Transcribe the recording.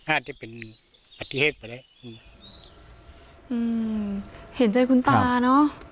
อ่าจะเป็นปฏิเสธไปละหืออืมเห็นใจคุณตาเนอะ